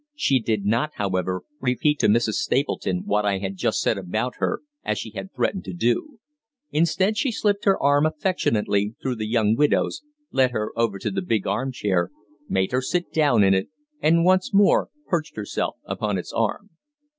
She did not, however, repeat to Mrs. Stapleton what I had just said about her, as she had threatened to do. Instead, she slipped her arm affectionately through the young widow's, led her over to the big arm chair, made her sit down in it, and once more perched herself upon its arm.